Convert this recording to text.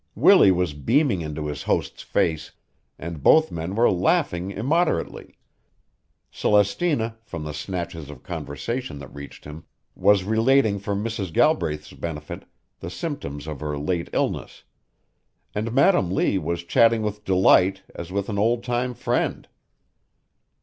Willie was beaming into his host's face, and both men were laughing immoderately; Celestina, from the snatches of conversation that reached him, was relating for Mrs. Galbraith's benefit the symptoms of her late illness; and Madam Lee was chatting with Delight as with an old time friend.